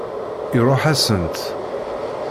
Iṛuḥ-asent.